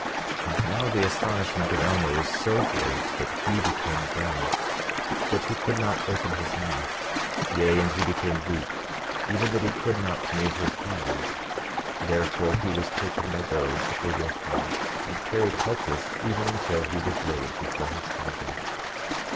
27:19 And now the astonishment of Alma was so great that he became dumb, that he could not open his mouth; yea, and he became weak, even that he could not move his hands; therefore he was taken by those that were with him, and carried helpless, even until he was laid before his father.